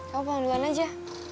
kamu pulang duluan aja